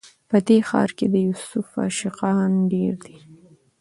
په دې ښار کي د یوسف عاشقان ډیر دي